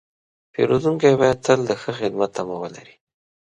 پیرودونکی باید تل د ښه خدمت تمه ولري.